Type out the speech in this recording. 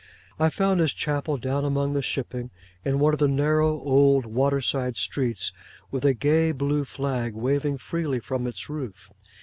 I found his chapel down among the shipping, in one of the narrow, old, water side streets, with a gay blue flag waving freely from its roof.